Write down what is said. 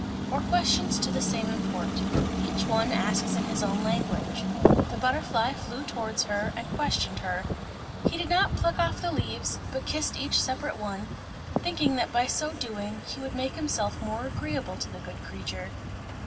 or questions to the same import. Each one asks in his own language. The butterfly flew towards her and questioned her; he did not pluck off the leaves, but kissed each separate one, thinking that by so doing, he would make himself more agreeable to the good creature.